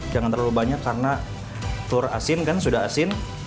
jangan terlalu banyak karena telur asin kan sudah asin